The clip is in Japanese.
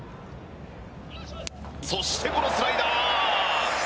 そしてこのスライダー！